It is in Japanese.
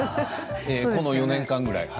この４年間ぐらい。